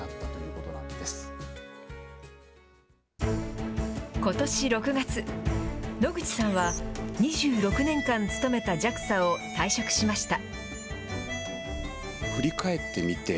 ことし６月、野口さんは２６年間勤めたＪＡＸＡを退職しました。